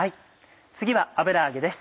次は油揚げです。